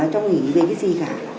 bảo là cho nghỉ vậy cái gì cả